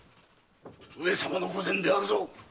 上様の御前であるぞ。